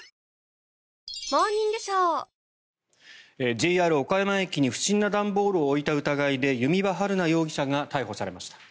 ＪＲ岡山駅に不審な段ボールを置いた疑いで弓場晴菜容疑者が逮捕されました。